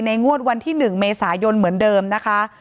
งวดวันที่๑เมษายนเหมือนเดิมนะคะ